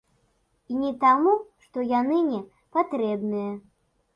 І не таму, што яны не патрэбныя.